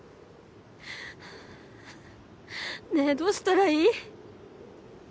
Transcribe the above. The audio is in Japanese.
ねえどうしたらいい？